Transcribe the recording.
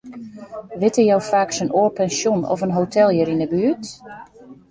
Witte jo faaks in oar pensjon of in hotel hjir yn 'e buert?